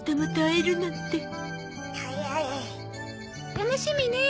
楽しみねえ。